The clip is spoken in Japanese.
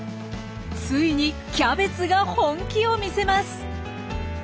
ついにキャベツが本気を見せます。